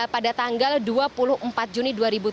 pada tanggal dua puluh empat juni dua ribu tujuh belas